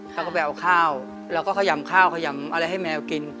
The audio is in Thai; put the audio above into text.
เขาก็ไปเอาข้าวแล้วก็ขยำข้าวขยำอะไรให้แมวกิน